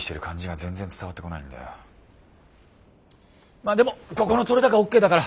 まっでもここの撮れ高ＯＫだから。